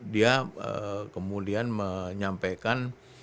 dia kemudian menyampaikan